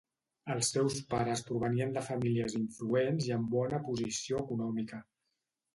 Els seus pares provenien de famílies influents i amb bona posició econòmica.